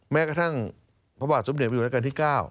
แม้กระทั่งพระบาทสุมเนียมอยู่ในวัฒน์ที่๙